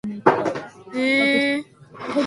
The windows are sashes.